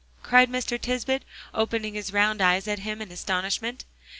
cried Mr. Tisbett, opening his round eyes at him in astonishment.